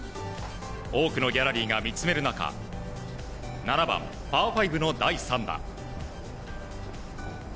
多くのギャラリーが見つめる中７番、パー５の第３打。